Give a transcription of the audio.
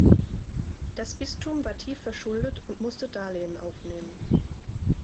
Das Bistum war tief verschuldet und musste Darlehen aufnehmen.